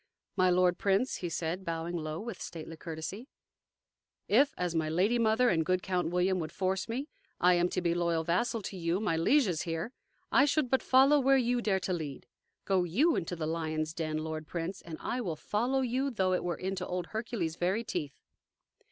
"My lord prince," he said, bowing low with stately courtesy, "if, as my lady mother and good Count William would force me, I am to be loyal vassal to you, my lieges here, I should but follow where you dare to lead. Go YOU into the lions' den, lord prince, and I will follow you, though it were into old Hercules' very teeth."